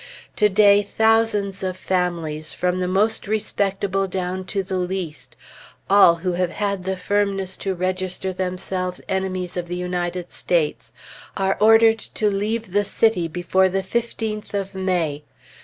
To day, thousands of families, from the most respectable down to the least, all who have had the firmness to register themselves enemies to the United States, are ordered to leave the city before the fifteenth of May.